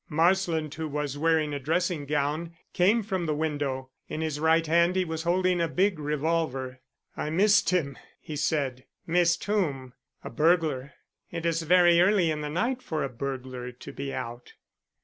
Marsland, who was wearing a dressing gown, came from the window. In his right hand he was holding a big revolver. "I missed him," he said. "Missed whom?" "A burglar." "It is very early in the night for a burglar to be out."